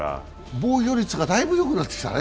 防御率がだいぶよくなってきたね。